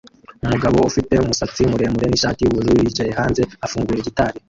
Umugabo ufite umusatsi muremure nishati yubururu yicaye hanze afunguye gitari